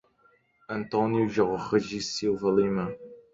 Antônio Jorge Silva Lima